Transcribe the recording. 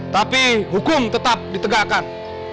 tapi hukum tetap ditegakkan